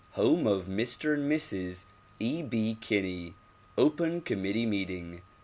Home of Mr. and Mrs. E. B. Kinney. Open Committee Meeting.